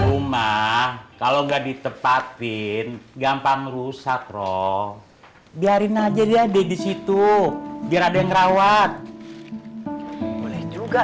rumah kalau nggak ditepatin gampang rusak roh biarin aja dia di situ diradeng rawat boleh juga